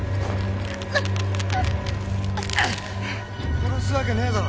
殺すわけねえだろ。